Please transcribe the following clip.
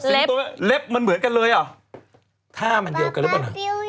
เล็บเล็บมันเหมือนกันเลยอ่ะท่ามันเดียวกันไม่เงิน